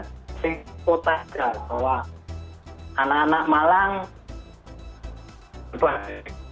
tapi kota saja bahwa anak anak malang berbatik